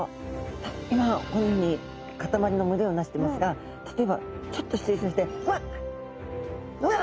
今このように固まりの群れをなしてますが例えばちょっと失礼しましてわっ！